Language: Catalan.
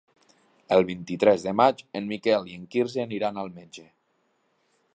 El vint-i-tres de maig en Miquel i en Quirze aniran al metge.